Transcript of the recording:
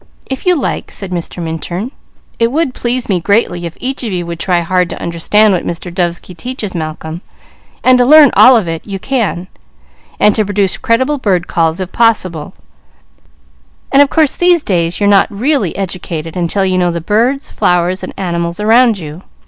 "If you like," said Mr. Minturn. "It would please me greatly if each of you would try hard to understand what Mr. Dovesky teaches Malcolm, and to learn all of it you can, and to produce creditable bird calls if possible; and of course these days you're not really educated unless you know the birds, flowers, and animals around you.